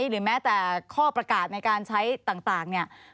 หรือแม้แต่ข้อประกาศในการใช้ต่างเนี่ย